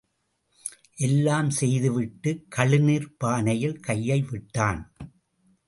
எல்லாம் செய்து விட்டுக் கழுநீர்ப் பானையில் கையை விட்டான்.